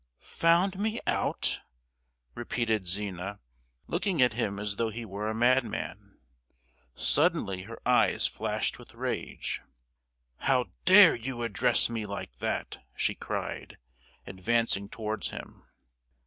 "Found me out?" repeated Zina, looking at him as though he were a madman. Suddenly her eyes flashed with rage. "How dare you address me like that?" she cried, advancing towards him.